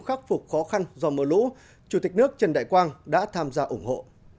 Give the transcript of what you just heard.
khắc phục khó khăn do mưa lũ chủ tịch nước trần đại quang đã tham gia ủng hộ